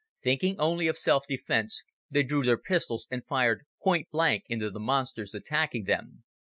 Thinking only of self defense, they drew their pistols and fired point blank into the monsters attacking them.